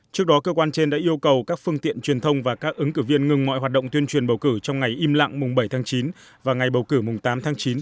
trước đó cơ quan trên đã yêu cầu các phương tiện truyền thông và các ứng cử viên ngừng mọi hoạt động tuyên truyền bầu cử trong ngày im lặng mùng bảy tháng chín và ngày bầu cử mùng tám tháng chín